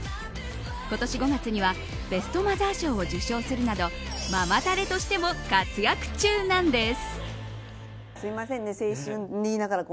今年５月にはベストマザー賞を受賞するなどママタレとしても活躍中なんです。